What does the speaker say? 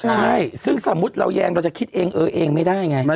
ใช่ซึ่งสมมุติเราแยงเราจะคิดเองเออเองไม่ได้ไง